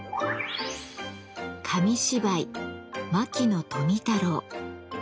紙芝居「牧野富太郎」。